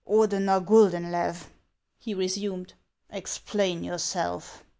" Ordener Gul denlew," he resumed, " explain yourself."